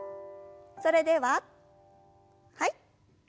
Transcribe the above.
それでははい。